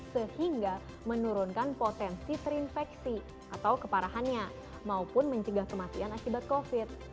sehingga menurunkan potensi terinfeksi atau keparahannya maupun mencegah kematian akibat covid